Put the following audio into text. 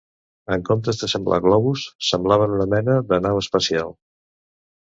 En comptes de semblar globus, semblaven una mena de nau espacial.